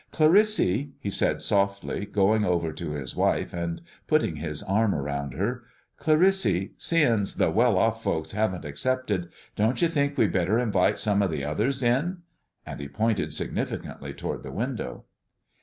"Clarissy," he said softly, going over to his wife and putting his arm around her, "Clarissy, seein's the well off folks haven't accepted, don't you think we'd better invite some of the others in?" And he pointed significantly toward the window.